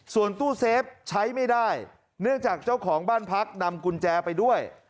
ส่วนตู้เซฟใช้ไม่ได้เนื่องจากเจ้าของบ้านพักนำกุญแจไปด้วย